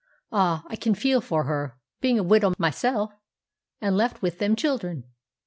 Ah, I can feel for her, being a widow myself, and left with them children.